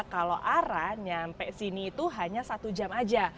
kalau arah nyampe sini itu hanya satu jam aja